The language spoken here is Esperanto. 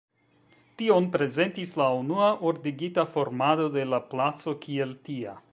Tion prezentis la unua ordigita formado de la placo kiel tia.